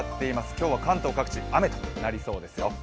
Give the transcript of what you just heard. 今日は関東各地、雨となりそですよ。